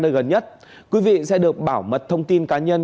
và đối tượng này sẽ được bảo mật thông tin cá nhân